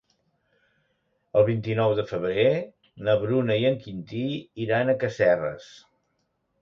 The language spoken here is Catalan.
El vint-i-nou de febrer na Bruna i en Quintí iran a Casserres.